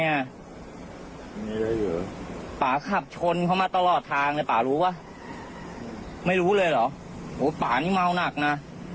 มีป่าขับชนเขามาตลอดทางเลยป่ารู้ป่ะไม่รู้เลยเหรอโหป่านี่เมาหนักนะ